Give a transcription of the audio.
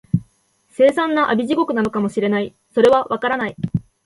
凄惨な阿鼻地獄なのかも知れない、それは、わからない